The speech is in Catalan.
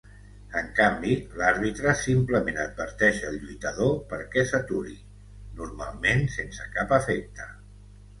En canvi, l'àrbitre simplement adverteix el lluitador perquè s'aturi, normalment sense cap efecte.